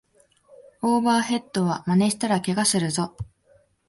オーバーヘッドはまねしたらケガするぞ